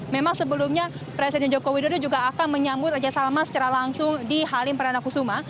memang sebelumnya presiden joko widodo juga akan menyambut raja salman secara langsung di halim perdana kusuma